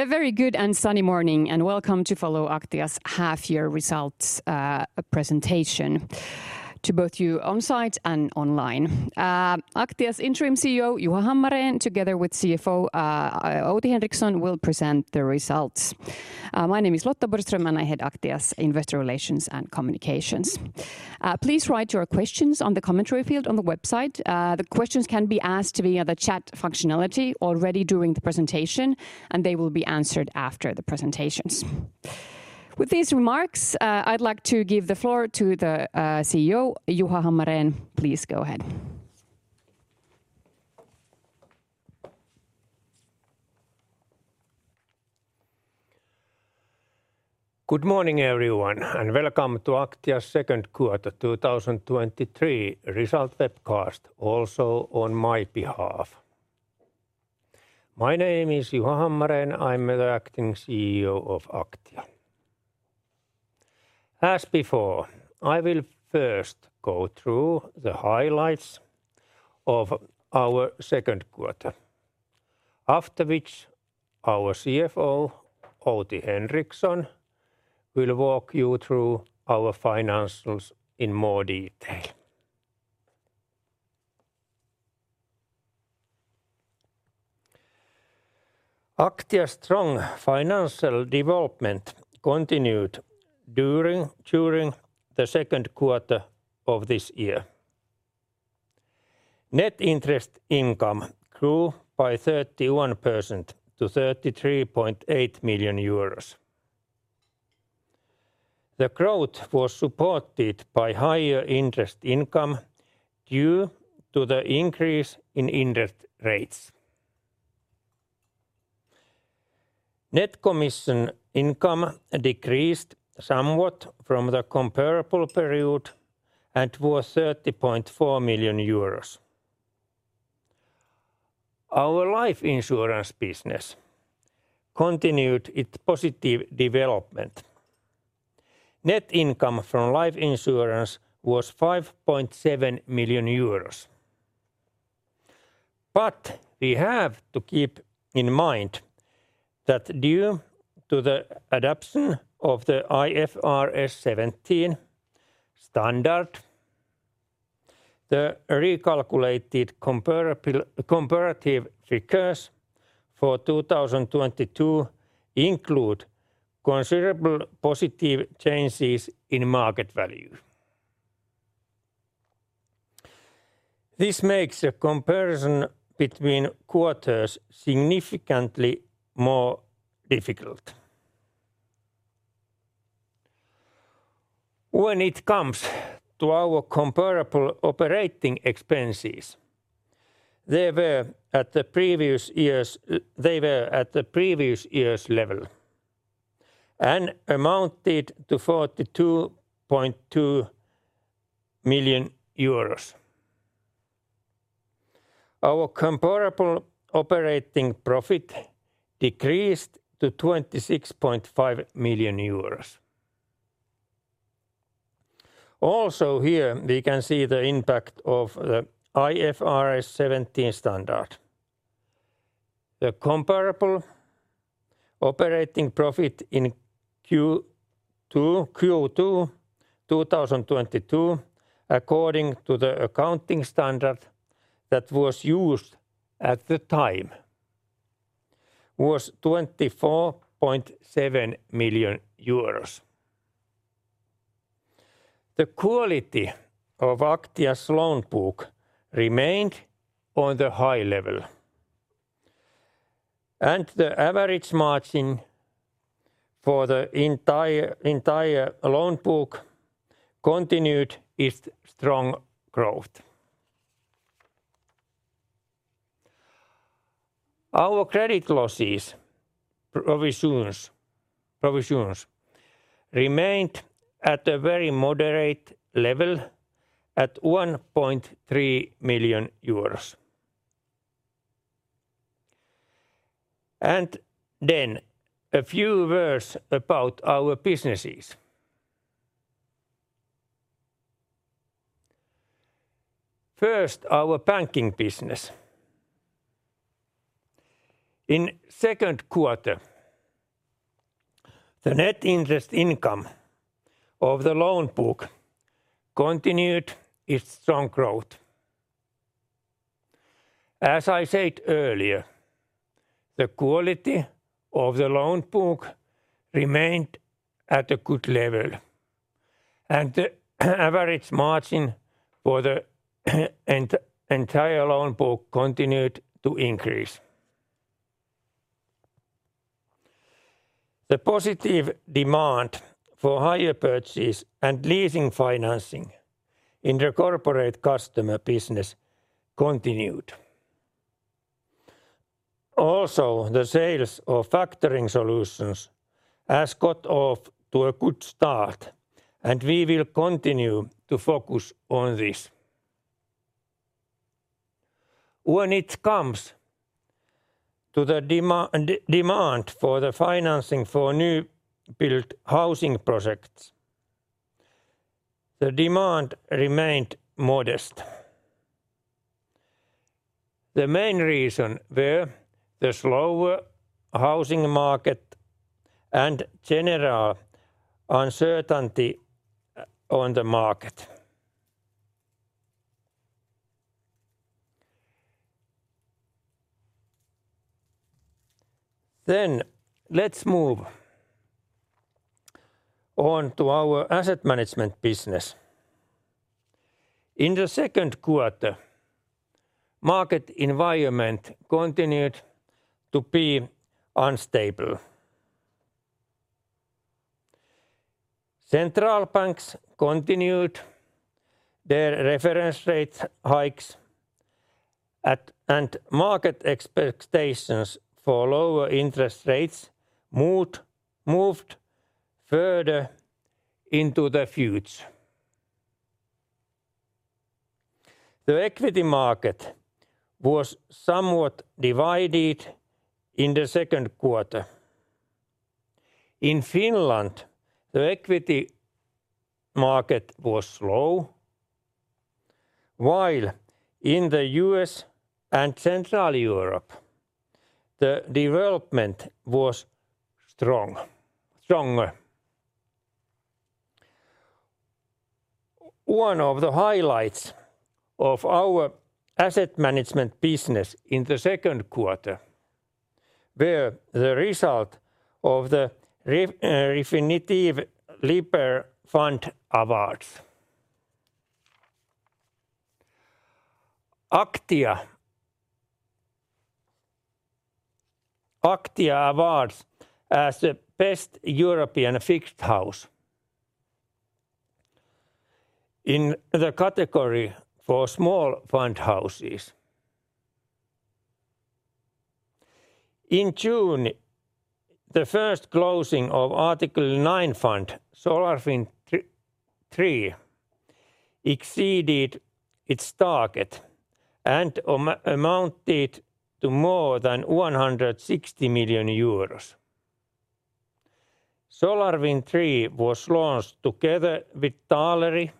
A very good and sunny morning, and welcome to follow Aktia's half-year results presentation to both you on-site and online. Aktia's Interim CEO, Juha Hammarén, together with CFO, Outi Henriksson, will present the results. My name is Lotta Borgström, and I head Aktia's Investor Relations and Communications. Please write your questions on the commentary field on the website. The questions can be asked via the chat functionality already during the presentation, and they will be answered after the presentations. With these remarks, I'd like to give the floor to the CEO, Juha Hammarén. Please go ahead. Good morning, everyone, and welcome to Aktia's second quarter 2023 result webcast, also on my behalf. My name is Juha Hammarén, I'm the acting CEO of Aktia. As before, I will first go through the highlights of our second quarter, after which our CFO, Outi Henriksson, will walk you through our financials in more detail. Aktia's strong financial development continued during the second quarter of this year. Net interest income grew by 31% to 33.8 million euros. The growth was supported by higher interest income due to the increase in interest rates. Net commission income decreased somewhat from the comparable period and was 30.4 million euros. Our life insurance business continued its positive development. Net income from life insurance was 5.7 million euros. We have to keep in mind that due to the adoption of the IFRS 17 standard, the recalculated comparable comparative figures for 2022 include considerable positive changes in market value. This makes a comparison between quarters significantly more difficult. When it comes to our comparable operating expenses, they were at the previous year's level and amounted to 42.2 million euros. Our comparable operating profit decreased to EUR 26.5 million. Here, we can see the impact of the IFRS 17 standard. The comparable operating profit in Q2, Q2 2022, according to the accounting standard that was used at the time, was EUR 24.7 million. The quality of Aktia's loan book remained on the high level, and the average margin for the entire loan book continued its strong growth. Our credit losses, provisions, provisions remained at a very moderate level at 1.3 million euros. Then, a few words about our businesses. First, our banking business. In second quarter, the net interest income of the loan book continued its strong growth. As I said earlier, the quality of the loan book remained at a good level, and the average margin for the entire loan book continued to increase. The positive demand for higher purchases and leasing financing in the corporate customer business continued. The sales of factoring solutions has got off to a good start, and we will continue to focus on this. When it comes to the demand, demand for the financing for new build housing projects-... the demand remained modest. The main reason were the slower housing market and general uncertainty on the market. Let's move on to our asset management business. In the second quarter, market environment continued to be unstable. Central banks continued their reference rate hikes, and market expectations for lower interest rates moved further into the future. The equity market was somewhat divided in the second quarter. In Finland, the equity market was slow, while in the U.S. and Central Europe, the development was stronger. One of the highlights of our asset management business in the second quarter were the result of the Refinitiv Lipper Fund Awards. Aktia awards as the best European fixed house in the category for small fund houses. In June, the first closing of Article 9 fund, SolarWind III, exceeded its target and amounted to more than 160 million euros. SolarWind III was launched together with Taaleri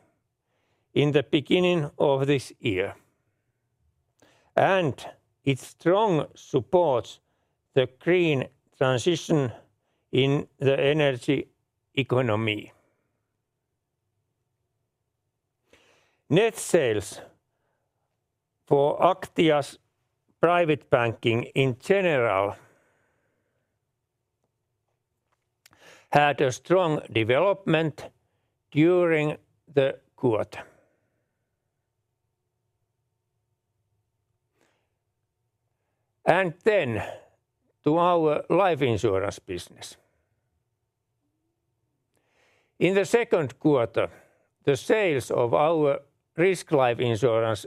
in the beginning of this year, and it strong supports the green transition in the energy economy. Net sales for Aktia's private banking in general had a strong development during the quarter. Then, to our life insurance business. In the second quarter, the sales of our risk life insurance,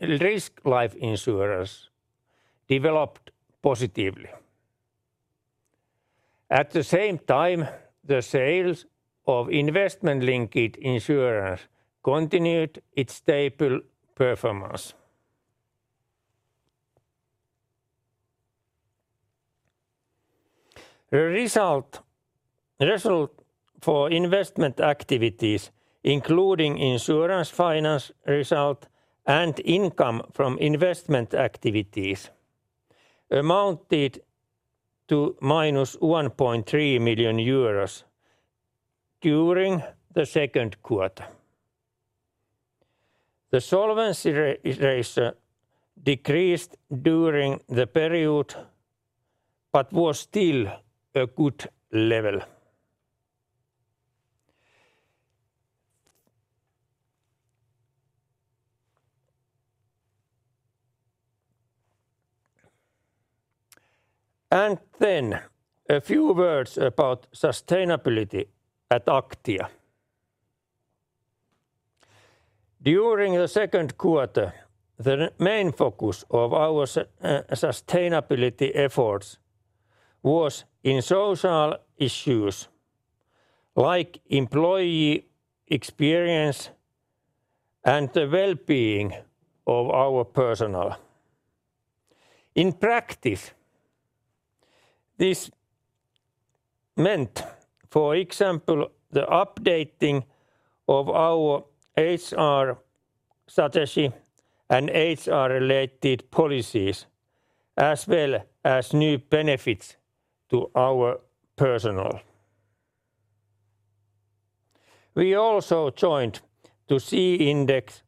risk life insurance developed positively. At the same time, the sales of investment-linked insurance continued its stable performance. The result for investment activities, including insurance finance result and income from investment activities, amounted to -1.3 million euros during the second quarter. The solvency ratio decreased during the period, but was still a good level. A few words about sustainability at Aktia. During the second quarter, the main focus of our su- sustainability efforts was in social issues like employee experience and the well-being of our personnel. In practice, this meant, for example, the updating of our HR strategy and HR-related policies, as well as new benefits to our personnel. We also joined the SHE Index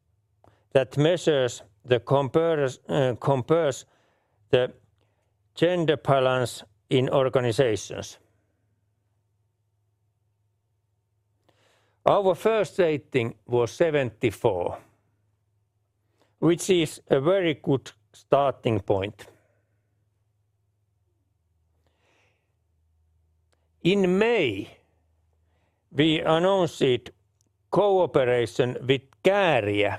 that measures the compares, compares the gender balance in organizations. Our first rating was 74, which is a very good starting point. In May, we announced cooperation with Käärijä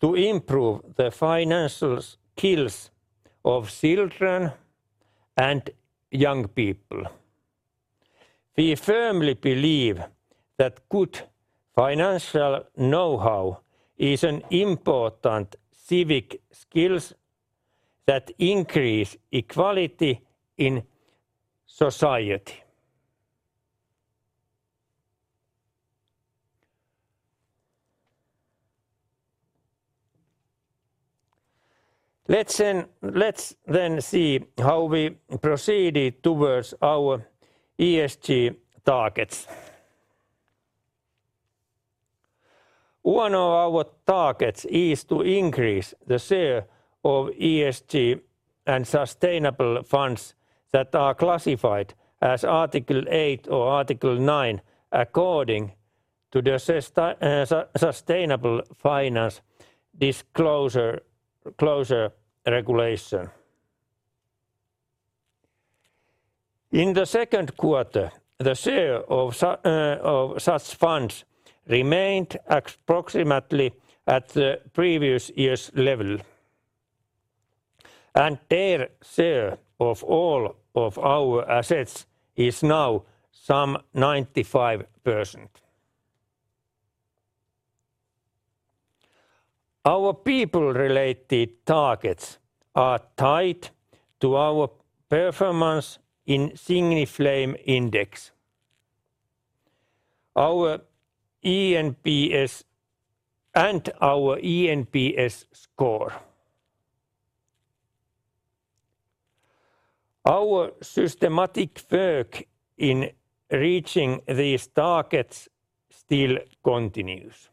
to improve the financial skills of children and young people. We firmly believe that good financial know-how is an important civic skills-... that increase equality in society. Let's then, let's then see how we proceeded towards our ESG targets. One of our targets is to increase the share of ESG and sustainable funds that are classified as Article 8 or Article 9 according to the sust Sustainable Finance Disclosure Regulation. In the second quarter, the share of such funds remained approximately at the previous year's level, and their share of all of our assets is now some 95%. Our people-related targets are tied to our performance in Siqni Flame Index. Our eNPS... our eNPS score. Our systematic work in reaching these targets still continues.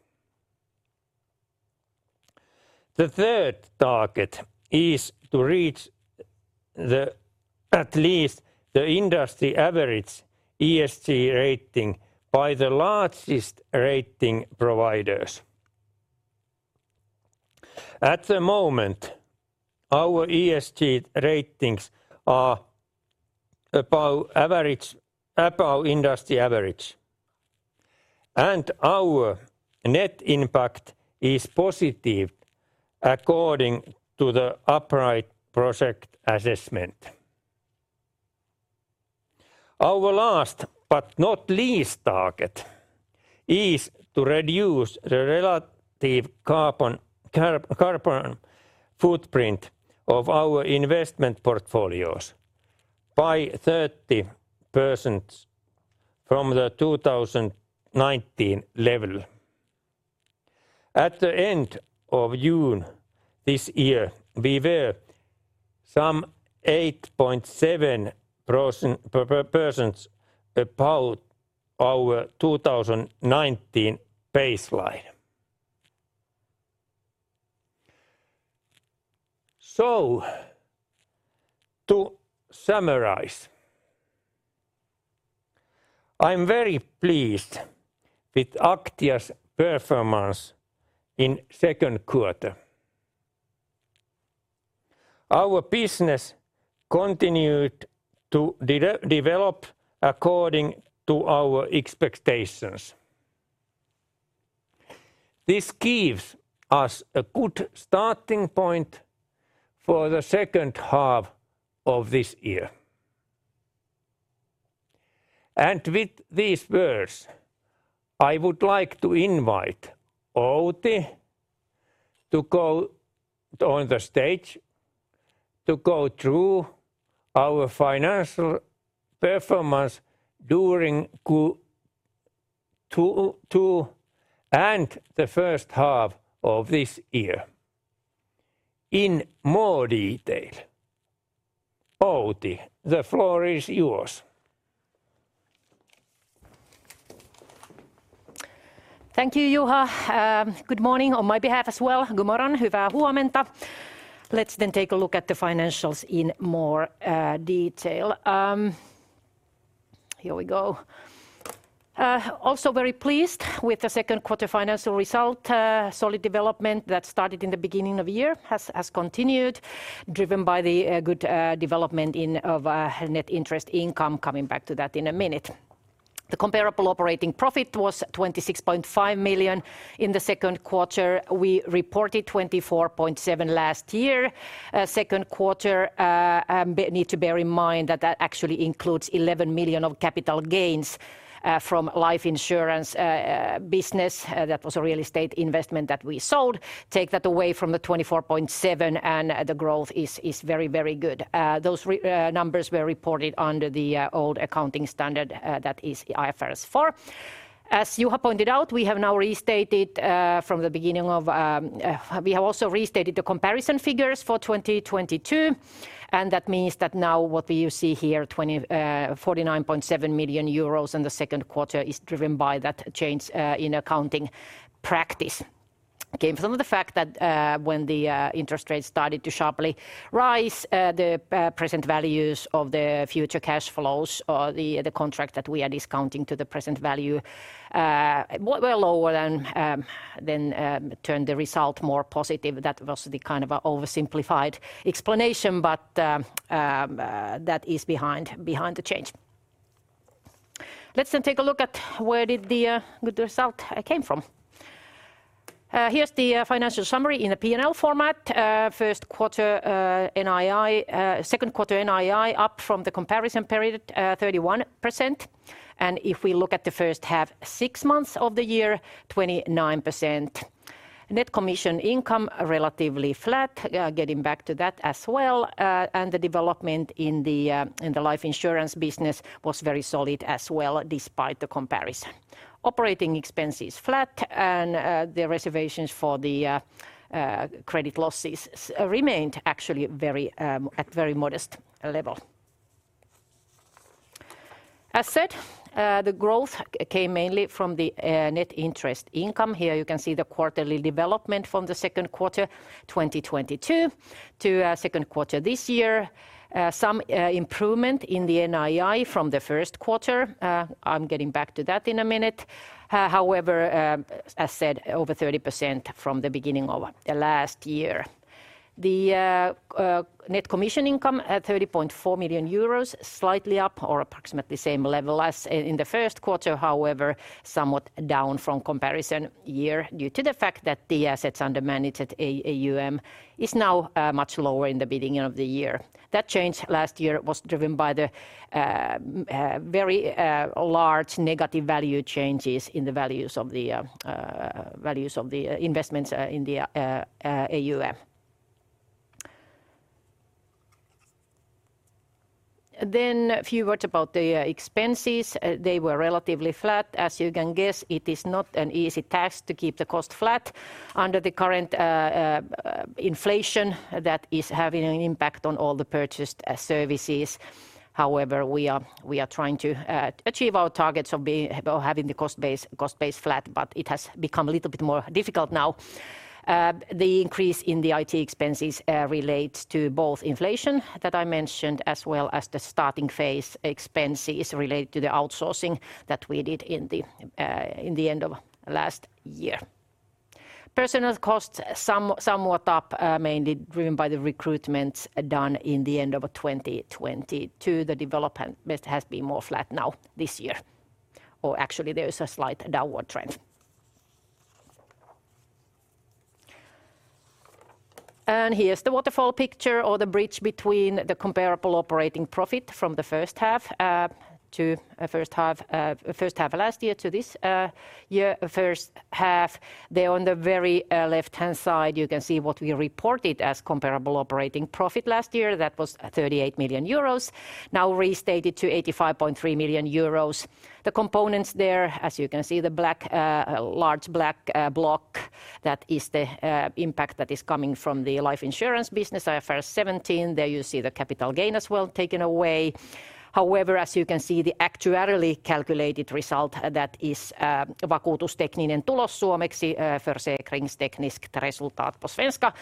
The third target is to reach the, at least the industry average ESG rating by the largest rating providers. At the moment, our ESG ratings are above average, above industry average, and our net impact is positive according to The Upright Project assessment. Our last, but not least target, is to reduce the relative carbon footprint of our investment portfolios by 30% from the 2019 level. At the end of June this year, we were some 8.7% above our 2019 baseline. To summarize, I'm very pleased with Aktia's performance in second quarter. Our business continued to develop according to our expectations. This gives us a good starting point for the second half of this year. With these words, I would like to invite Outi to go on the stage to go through our financial performance during Q2 and the first half of this year in more detail. Outi, the floor is yours. Thank you, Juha. Good morning on my behalf as well. Good morning. Let's take a look at the financials in more detail. Here we go. Also very pleased with the second quarter financial result. Solid development that started in the beginning of year has continued, driven by the good development in of net interest income. Coming back to that in a minute. The comparable operating profit was 26.5 million in the second quarter. We reported 24.7 million last year. Second quarter, need to bear in mind that that actually includes 11 million of capital gains from life insurance business. That was a real estate investment that we sold. Take that away from the 24.7 million, the growth is very, very good. Those numbers were reported under the old accounting standard, that is IFRS 4. As Juha pointed out, we have now restated from the beginning of. We have also restated the comparison figures for 2022. That means that now what you see here, 49.7 million euros in the second quarter, is driven by that change in accounting practice. Came from the fact that when the interest rates started to sharply rise, the present values of the future cash flows, or the, the contract that we are discounting to the present value, were lower than turned the result more positive. That was the kind of a oversimplified explanation. That is behind, behind the change. Let's take a look at where did the good result came from. Here's the financial summary in the P&L format. First quarter NII, second quarter NII, up from the comparison period, 31%, if we look at the first half, six months of the year, 29%. Net commission income are relatively flat, getting back to that as well. The development in the life insurance business was very solid as well, despite the comparison. Operating expenses flat, the reservations for the credit losses remained actually very at very modest level. As said, the growth came mainly from the net interest income. Here you can see the quarterly development from the second quarter, 2022 to second quarter this year. Some improvement in the NII from the first quarter. I'm getting back to that in a minute. However, as said, over 30% from the beginning of the last year. The net commission income at 30.4 million euros, slightly up or approximately the same level as in the first quarter, however, somewhat down from comparison year, due to the fact that the assets under management, AUM is now much lower in the beginning of the year. That change last year was driven by the very large negative value changes in the values of the values of the investments in the AUM. A few words about the expenses. They were relatively flat. As you can guess, it is not an easy task to keep the cost flat under the current inflation that is having an impact on all the purchased services. However, we are, we are trying to achieve our targets of having the cost base, cost base flat, but it has become a little bit more difficult now. The increase in the IT expenses relates to both inflation, that I mentioned, as well as the starting phase expenses related to the outsourcing that we did in the end of last year. Personnel costs some, somewhat up, mainly driven by the recruitment done in the end of 2022. The development has been more flat now this year, or actually, there is a slight downward trend. Here's the waterfall picture or the bridge between the comparable operating profit from the first half to first half, first half of last year to this year first half. There on the very left-hand side, you can see what we reported as comparable operating profit last year. That was 38 million euros, now restated to 85.3 million euros. The components there, as you can see, the black, large black block, that is the impact that is coming from the life insurance business. IFRS 17, there you see the capital gain as well, taken away. However, as you can see, the actuarially calculated result, that is, vakuutustekninen tulos suomeksi, försäkringstekniskt resultat på svenska,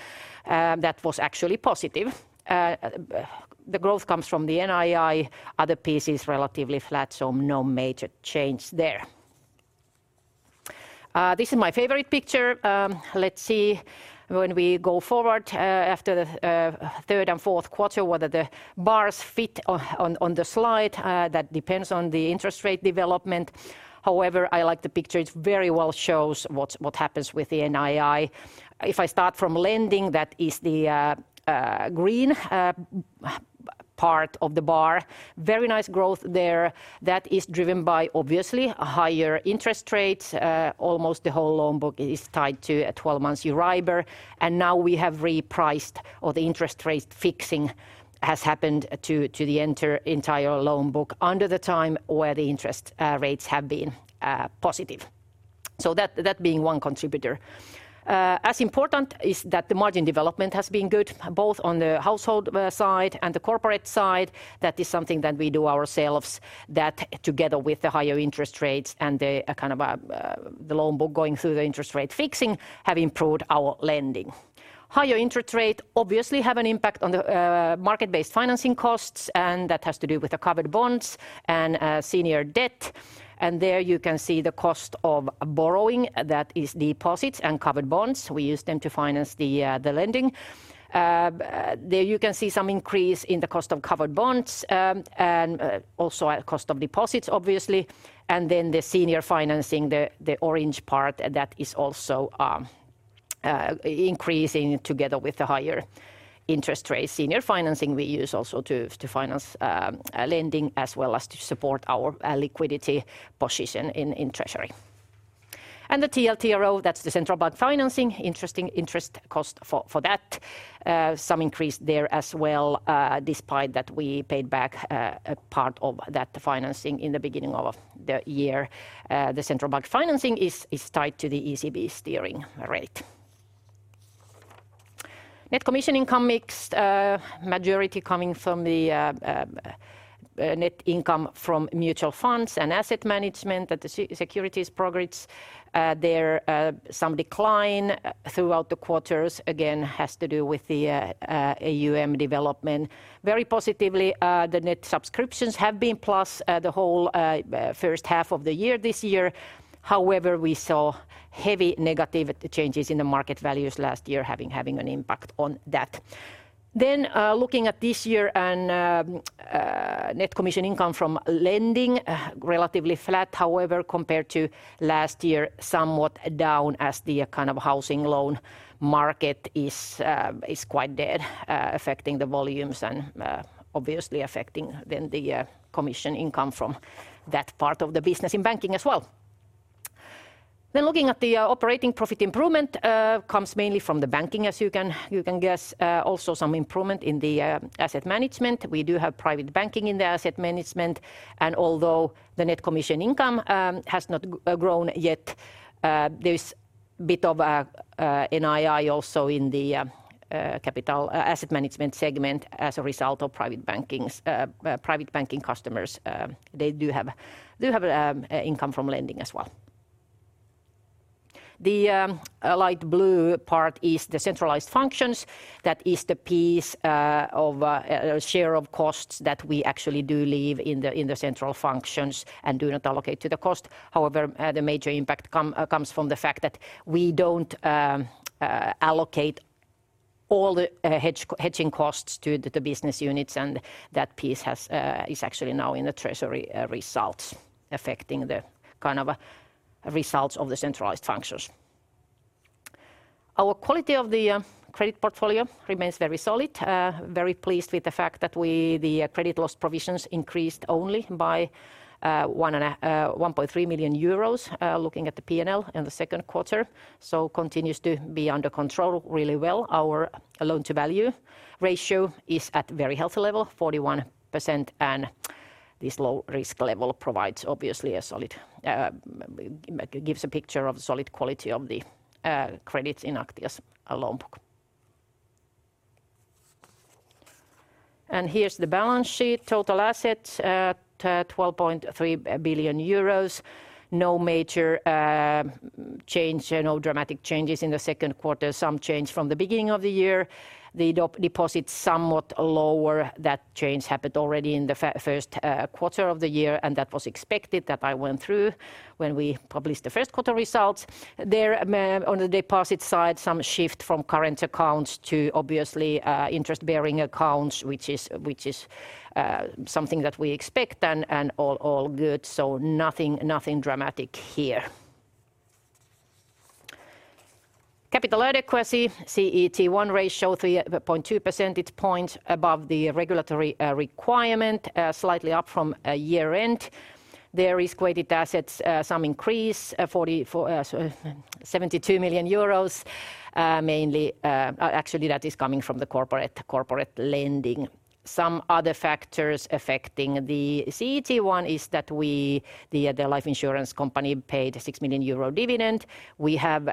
that was actually positive. The growth comes from the NII. Other pieces, relatively flat, so no major change there. Uh, this is my favorite picture. Um, let's see, when we go forward, uh, after the, uh, third and fourth quarter, whether the bars fit on, on, on the slide. Uh, that depends on the interest rate development. However, I like the picture. It very well shows what, what happens with the NII. If I start from lending, that is the, uh, uh, green, uh, part of the bar. Very nice growth there. That is driven by, obviously, a higher interest rate. Uh, almost the whole loan book is tied to a 12-month EURIBOR, and now we have repriced or the interest rate fixing has happened to, to the enter- entire loan book under the time where the interest, uh, rates have been, uh, positive. So that, that being one contributor. As important is that the margin development has been good, both on the household side and the corporate side. That is something that we do ourselves, that together with the higher interest rates and the loan book going through the interest rate fixing, have improved our lending. Higher interest rate obviously have an impact on the market-based financing costs, and that has to do with the covered bonds and senior debt. There you can see the cost of borrowing. That is deposits and covered bonds. We use them to finance the lending. There you can see some increase in the cost of covered bonds, and also cost of deposits, obviously. The senior financing, the orange part, that is also increasing together with the higher interest rates. Senior financing we use also to, to finance, lending, as well as to support our liquidity position in treasury. The TLTRO, that's the central bank financing. Interesting interest cost for that. Some increase there as well, despite that we paid back a part of that financing in the beginning of the year. The central bank financing is tied to the ECB steering rate. Net commission income mix, majority coming from the net income from mutual funds and asset management, that the securities progress. There, some decline throughout the quarters, again, has to do with the AUM development. Very positively, the net subscriptions have been plus, the whole first half of the year this year. However, we saw heavy negative changes in the market values last year, having, having an impact on that. Looking at this year and net commission income from lending, relatively flat, however, compared to last year, somewhat down as the kind of housing loan market is quite dead, affecting the volumes and obviously affecting then the commission income from that part of the business in banking as well. Looking at the operating profit improvement comes mainly from the banking, as you can, you can guess. Also some improvement in the asset management. We do have private banking in the asset management. Although the net commission income has not grown yet, there's a bit of a NII also in the capital asset management segment as a result of private banking's private banking customers. They do have, they do have income from lending as well. The light blue part is the centralized functions. That is the piece of share of costs that we actually do leave in the central functions and do not allocate to the cost. However, the major impact comes from the fact that we don't allocate all the hedging costs to the business units, and that piece is actually now in the treasury results, affecting the kind of results of the centralized functions. Our quality of the credit portfolio remains very solid. Very pleased with the fact that the credit loss provisions increased only by 1.3 million euros, looking at the P&L in the second quarter, continues to be under control really well. Our loan-to-value ratio is at very healthy level, 41%, this low risk level provides obviously a solid gives a picture of solid quality of the credits in Aktia's loan book. Here's the balance sheet. Total assets, at 12.3 billion euros. No major change, no dramatic changes in the second quarter. Some change from the beginning of the year. The deposits somewhat lower. That change happened already in the first quarter of the year. That was expected, that I went through when we published the first quarter results. There, on the deposit side, some shift from current accounts to obviously interest-bearing accounts, which is, which is something that we expect. All good, nothing, nothing dramatic here. Capital adequacy, CET1 ratio, 3.2 percentage points above the regulatory requirement, slightly up from year-end. The risk-weighted assets, some increase, 44.72 million euros, mainly. Actually, that is coming from the corporate, corporate lending. Some other factors affecting the CET1 is that we, the, the life insurance company paid a 6 million euro dividend. We have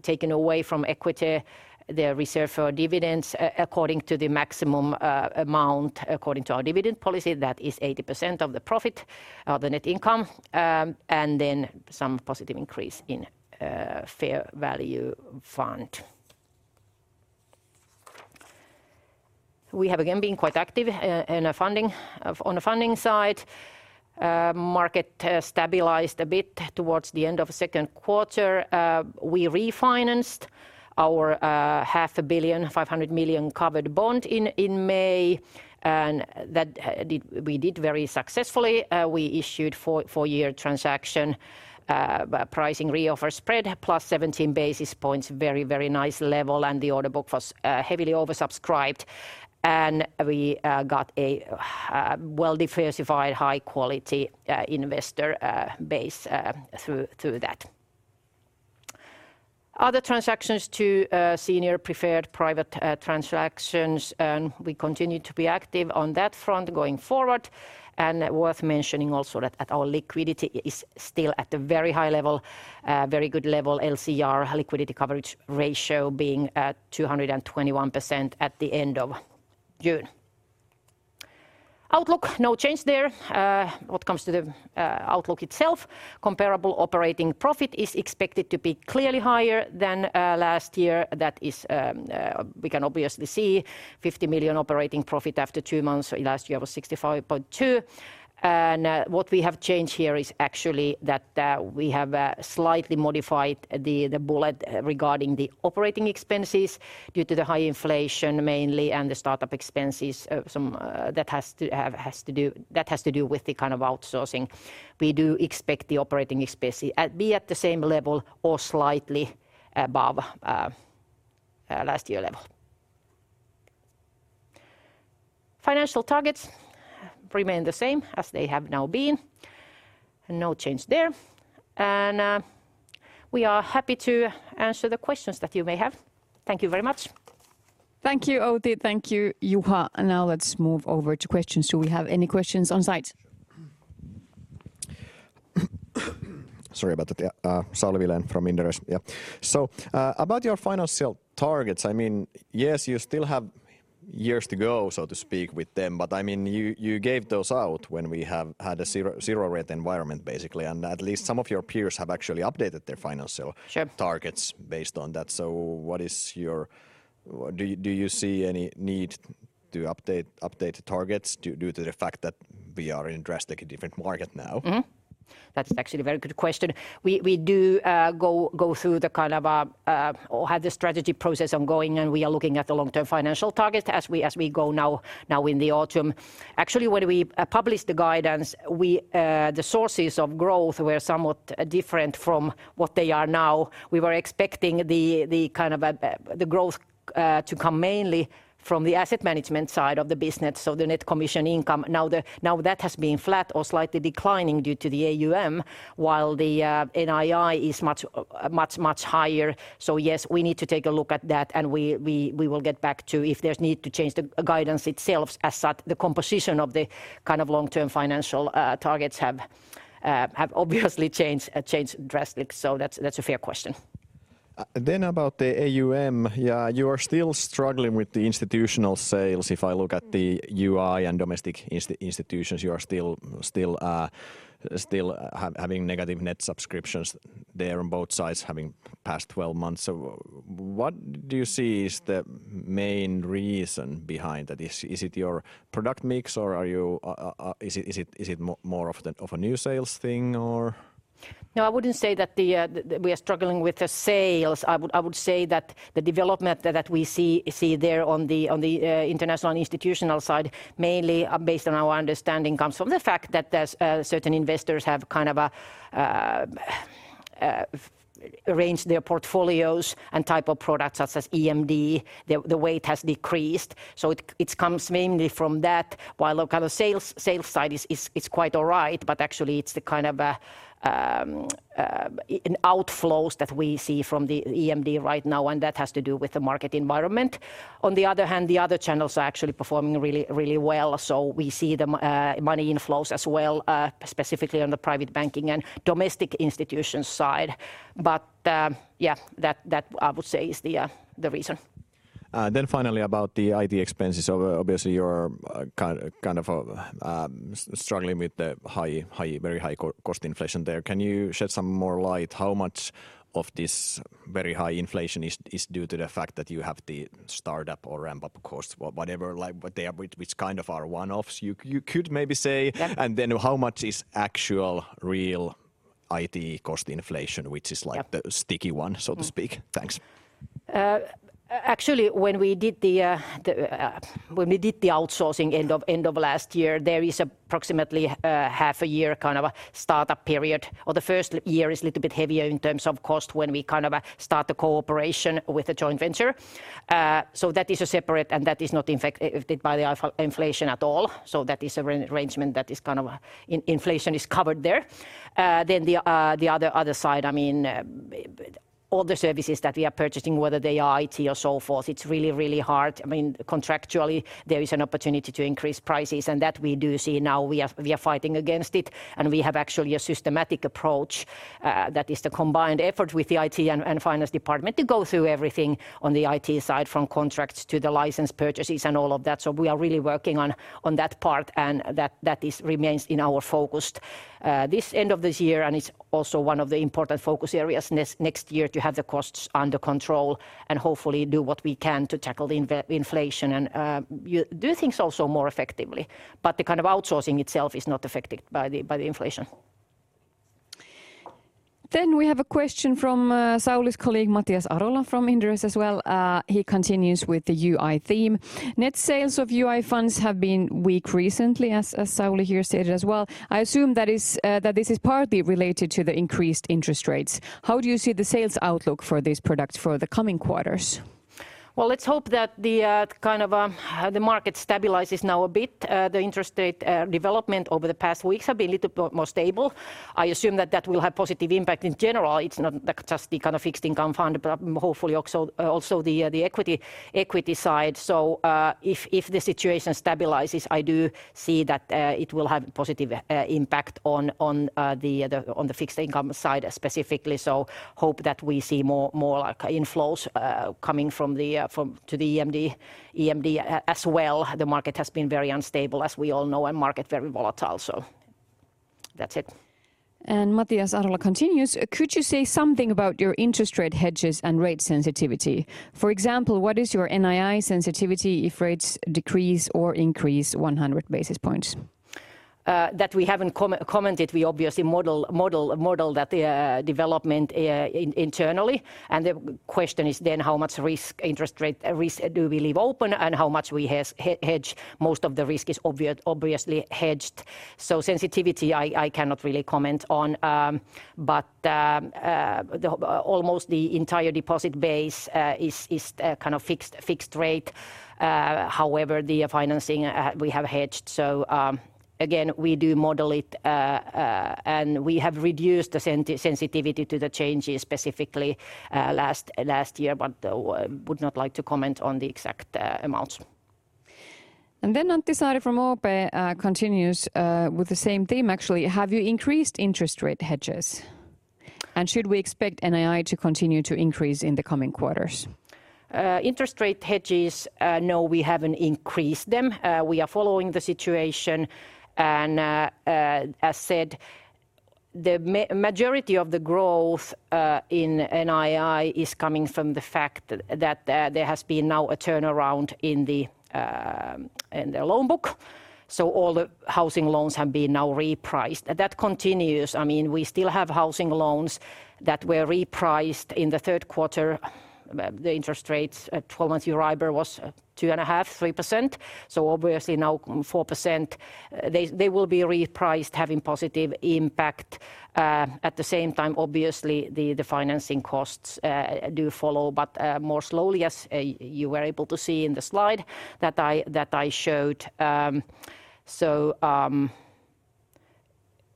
taken away from equity the reserve for dividends, according to the maximum amount, according to our dividend policy. That is 80% of the profit, of the net income, and then some positive increase in fair value fund. We have again been quite active on the funding side. Market stabilized a bit towards the end of the second quarter. We refinanced our 500 million covered bond in May, and that we did very successfully. We issued a four-year transaction, pricing reoffer spread, +17 basis points. Very, very nice level, the order book was heavily oversubscribed, and we got a well-diversified, high-quality investor base through, through that. Other transactions to senior preferred private transactions, we continue to be active on that front going forward. Worth mentioning also that our liquidity is still at a very high level, very good level, LCR, liquidity coverage ratio, being at 221% at the end of June. Outlook, no change there. When it comes to the outlook itself, comparable operating profit is expected to be clearly higher than last year. That is, we can obviously see 50 million operating profit after two months. Last year was 65.2 million. What we have changed here is actually that we have slightly modified the bullet regarding the operating expenses due to the high inflation mainly, and the start-up expenses, some that has to do with the kind of outsourcing. We do expect the operating expenses be at the same level or slightly above last year level. Financial targets remain the same as they have now been, and no change there. We are happy to answer the questions that you may have. Thank you very much. Thank you, Outi. Thank you, Juha. Now let's move over to questions. Do we have any questions on site? Sorry about that. Yeah, Sauli Vilén from Inderes. Yeah. About your financial targets, I mean, yes, you still have years to go, so to speak, with them, but, I mean, you, you gave those out when we have had a zero, zero-rate environment, basically, and at least some of your peers have actually updated their financial- Sure... targets based on that. Do you see any need to update the targets due to the fact that we are in drastically different market now? That's actually a very good question. We, we do go through the kind of, or have the strategy process ongoing. We are looking at the long-term financial target as we, as we go now, now in the autumn. Actually, when we published the guidance, we the sources of growth were somewhat different from what they are now. We were expecting the, the kind of, the growth to come mainly from the asset management side of the business, so the net commission income. Now that has been flat or slightly declining due to the AUM, while the NII is much, much, much higher. Yes, we need to take a look at that. We, we, we will get back to if there's need to change the guidance itself as such. The composition of the kind of long-term financial, targets have, have obviously changed, changed drastic, so that's, that's a fair question. About the AUM, you are still struggling with the institutional sales. Mm... UI and domestic institutions, you are still, still, still having negative net subscriptions there on both sides, having past 12 months. What do you see is the main reason behind that? Is, is it your product mix, or are you, is it, is it, is it more of the, of a new sales thing, or...? No, I wouldn't say that the we are struggling with the sales. I would, I would say that the development that, that we see, see there on the, on the international and institutional side, mainly, based on our understanding, comes from the fact that there's certain investors have kind of a arranged their portfolios and type of products, such as EMD. The weight has decreased, so it comes mainly from that, while local sales, sales side is quite all right. Actually, it's the kind of in outflows that we see from the EMD right now. That has to do with the market environment. On the other hand, the other channels are actually performing really, really well. We see the money inflows as well, specifically on the private banking and domestic institution side. Yeah, that, that, I would say is the reason. Finally about the IT expenses. Obviously, you're kind of struggling with the high, very high cost inflation there. Can you shed some more light? How much of this very high inflation is due to the fact that you have the startup or ramp-up costs, or whatever, like, what they are, which kind of are one-offs, you could maybe say? Yep. Then how much is actual real IT cost inflation? Yep... which is like the sticky one, so to speak? Mm. Thanks. Actually, when we did the outsourcing end of, end of last year, there is approximately half a year kind of a startup period, or the first year is a little bit heavier in terms of cost when we kind of start the cooperation with a joint venture. That is a separate, and that is not affected by the inflation at all. That is a rearrangement that is kind of, inflation is covered there. The other side, I mean, all the services that we are purchasing, whether they are IT or so forth, it's really, really hard. I mean, contractually, there is an opportunity to increase prices, and that we do see now. We are, we are fighting against it, and we have actually a systematic approach, that is the combined effort with the IT and, and finance department to go through everything on the IT side, from contracts to the license purchases and all of that. We are really working on, on that part, and that, that is, remains in our focus, this end of this year, and it's also one of the important focus areas next, next year, to have the costs under control and hopefully do what we can to tackle the inflation and do things also more effectively. The kind of outsourcing itself is not affected by the, by the inflation. We have a question from Sauli's colleague, Matias Arola, from Inderes as well. He continues with the UI theme: "Net sales of UI funds have been weak recently," as, as Sauli here stated as well. "I assume that is that this is partly related to the increased interest rates. How do you see the sales outlook for this product for the coming quarters? Well, let's hope that the kind of the market stabilizes now a bit. The interest rate development over the past weeks have been little more stable. I assume that that will have positive impact in general. It's not, like, just the kind of fixed income fund, but hopefully also, also the equity, equity side. If the situation stabilizes, I do see that it will have positive impact on the fixed income side specifically. Hope that we see more, like, inflows coming to the EMD. EMD as well, the market has been very unstable, as we all know, and market very volatile. That's it. Matias Arola continues: "Could you say something about your interest rate hedges and rate sensitivity? For example, what is your NII sensitivity if rates decrease or increase 100 basis points? That we haven't commented. We obviously model, model, model that development internally, and the question is then how much risk, interest rate risk do we leave open and how much we hedge. Most of the risk is obviously hedged, so sensitivity, I, I cannot really comment on. The almost the entire deposit base is kind of fixed, fixed rate. However, the financing we have hedged, so again, we do model it and we have reduced the sensitivity to the changes specifically last year, but would not like to comment on the exact amounts. Antti Saari from OP continues with the same theme, actually: "Have you increased interest rate hedges, and should we expect NII to continue to increase in the coming quarters? Interest rate hedges, no, we haven't increased them. We are following the situation, as said, the majority of the growth in NII is coming from the fact that there has been now a turnaround in the loan book. All the housing loans have been now repriced, and that continues. I mean, we still have housing loans that were repriced in the third quarter. The interest rates at 12-month EURIBOR was 2.5%-3%, obviously now 4%. They will be repriced, having positive impact. At the same time, obviously, the financing costs do follow, but more slowly, as you were able to see in the slide that I showed.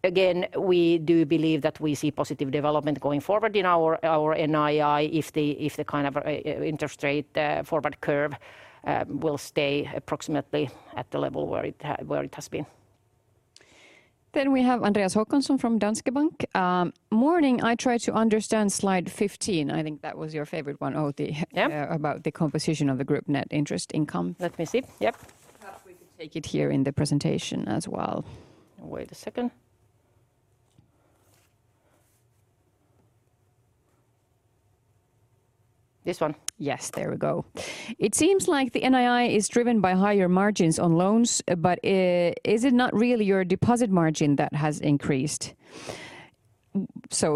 Again, we do believe that we see positive development going forward in our, our NII if the, if the kind of interest rate forward curve will stay approximately at the level where it has been. We have Andreas Håkansson from Danske Bank. "Morning, I tried to understand slide 15." I think that was your favorite one, Outi. Yeah... about the composition of the group net interest income. Let me see. Yep. Perhaps we could take it here in the presentation as well. Wait a second. This one. Yes, there we go. It seems like the NII is driven by higher margins on loans, is it not really your deposit margin that has increased?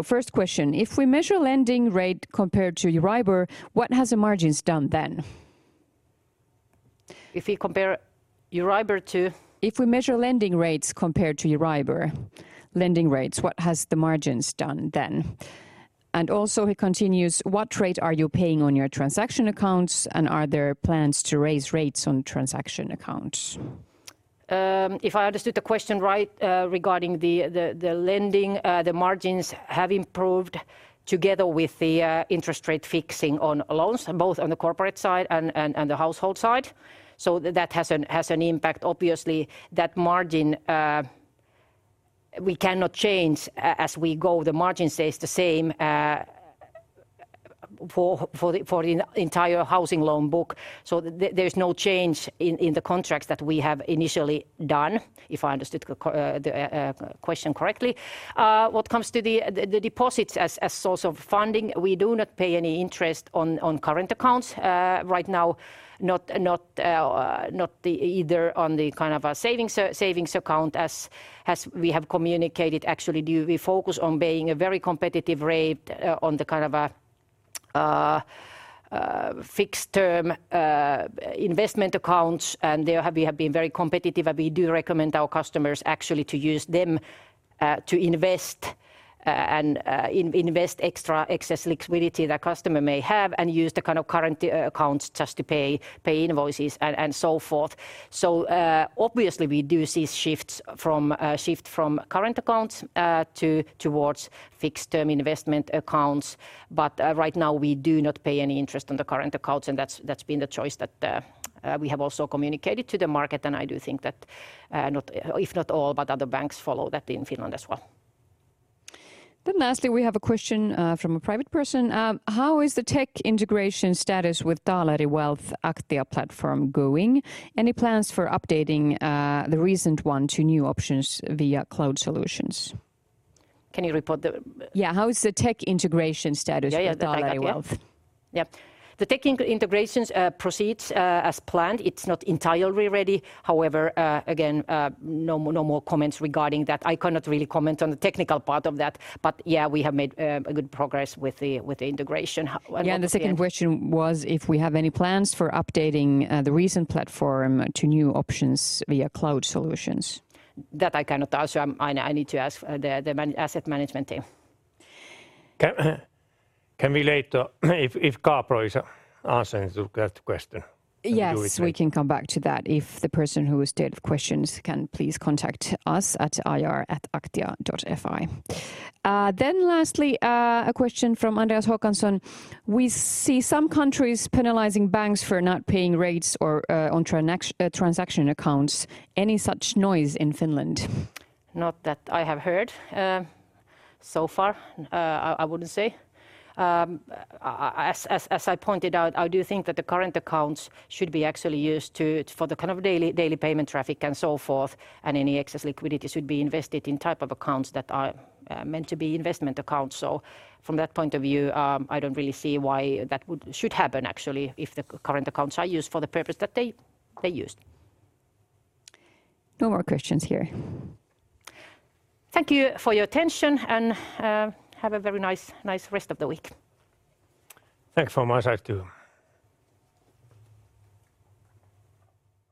First question: If we measure lending rate compared to EURIBOR, what has the margins done then? If we compare EURIBOR to? If we measure lending rates compared to EURIBOR, lending rates, what has the margins done then? Also, he continues, "what rate are you paying on your transaction accounts, and are there plans to raise rates on transaction accounts? If I understood the question right, regarding the, the, the lending, the margins have improved together with the interest rate fixing on loans, both on the corporate side and, and, and the household side. That has an, has an impact. Obviously, that margin, we cannot change as we go. The margin stays the same, for, for the, for the entire housing loan book, so there's no change in, in the contracts that we have initially done, if I understood the question correctly. What comes to the, the, the deposits as, as source of funding, we do not pay any interest on, on current accounts. Right now, not, not either on the kind of a savings account. As we have communicated, actually, do we focus on paying a very competitive rate on the kind of a fixed-term investment accounts, and there we have been very competitive, and we do recommend our customers actually to use them to invest, and invest extra excess liquidity the customer may have, and use the kind of current accounts just to pay, pay invoices and so forth. Obviously, we do see shifts from a shift from current accounts towards fixed-term investment accounts, but right now we do not pay any interest on the current accounts, and that's been the choice that we have also communicated to the market, and I do think that, if not all, but other banks follow that in Finland as well. Lastly, we have a question from a private person. "How is the tech integration status with Taaleri Wealth Aktia platform going? Any plans for updating the recent one to new options via cloud solutions? Can you repeat? Yeah. "How is the tech integration status- Yeah, yeah. -with Taaleri Wealth? Yep. The tech integrations, proceeds, as planned. It's not entirely ready. However, again, no more, no more comments regarding that. I cannot really comment on the technical part of that, but yeah, we have made a good progress with the, with the integration. One more thing- Yeah, the second question was if we have any plans for updating the recent platform to new options via cloud solutions. That I cannot answer. I need to ask the asset management team. Can, can we later, if, if [Karpro is answering to that question? Yes- Do it then. We can come back to that if the person who stated the questions can please contact us at ir@aktia.fi. Lastly, a question from Andreas Håkansson: "We see some countries penalizing banks for not paying rates or on transaction accounts. Any such noise in Finland? Not that I have heard so far, I wouldn't say. As, as, as I pointed out, I do think that the current accounts should be actually used to for the kind of daily, daily payment traffic and so forth, and any excess liquidity should be invested in type of accounts that are meant to be investment accounts. From that point of view, I don't really see why that should happen, actually, if the current accounts are used for the purpose that they, they're used. No more questions here. Thank you for your attention, and, have a very nice, nice rest of the week. Thanks from my side, too.